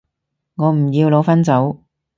我唔要，攞返走